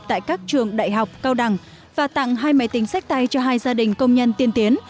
tại các trường đại học cao đẳng và tặng hai máy tính sách tay cho hai gia đình công nhân tiên tiến